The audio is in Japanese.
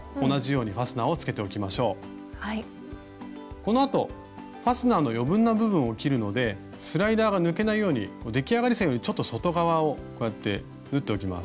このあとファスナーの余分な部分を切るのでスライダーが抜けないように出来上がり線よりちょっと外側をこうやって縫っておきます。